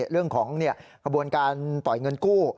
เรื่องของกระบวนการปล่อยเงินกู้